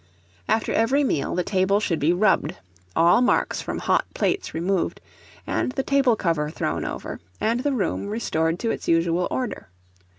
After every meal the table should be rubbed, all marks from hot plates removed, and the table cover thrown over, and the room restored to its usual order.